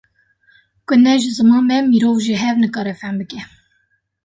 Ku ne ji ziman be mirov ji hev nikare fehm bike